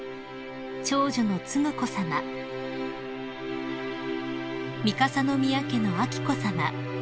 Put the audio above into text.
長女の承子さま三笠宮家の彬子さま